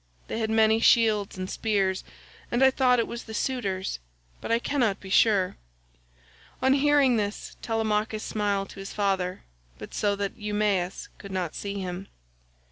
They had many shields and spears, and I thought it was the suitors, but I cannot be sure." On hearing this Telemachus smiled to his father, but so that Eumaeus could not see him.